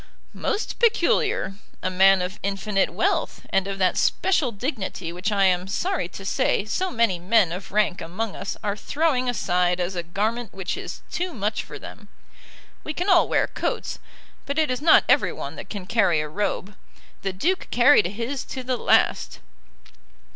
"Most peculiar; a man of infinite wealth, and of that special dignity which I am sorry to say so many men of rank among us are throwing aside as a garment which is too much for them. We can all wear coats, but it is not every one that can carry a robe. The Duke carried his to the last."